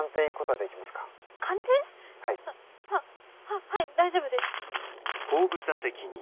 ははい大丈夫です。